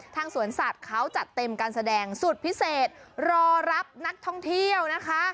สวนสัตว์เขาจัดเต็มการแสดงสุดพิเศษรอรับนักท่องเที่ยวนะคะ